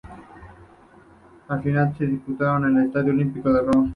La final fue disputada en el Estadio Olímpico de Roma.